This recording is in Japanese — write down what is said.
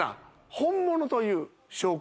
本物という証拠